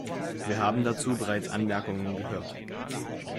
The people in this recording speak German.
Wir haben dazu bereits Anmerkungen gehört.